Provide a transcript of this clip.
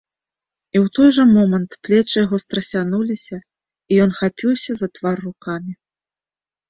І ў той жа момант плечы яго страсянуліся, і ён хапіўся за твар рукамі.